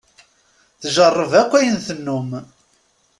Tjerreb akk ayen tennum.